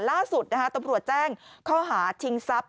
ล่าสุดตำรวจแจ้งข้อหาชิงทรัพย